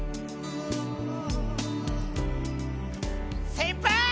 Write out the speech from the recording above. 先輩！